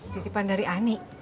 titipan dari ani